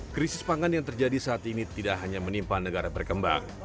krisis pangan yang terjadi saat ini tidak hanya menimpa negara berkembang